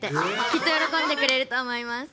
きっと喜んでくれると思います。